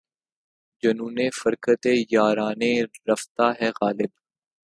جنونِ فرقتِ یارانِ رفتہ ہے غالب!